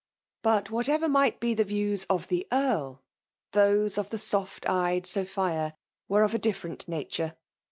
But wh^ttever might be the views of the £arl, those of the soft eyed Sophia were of a different nature.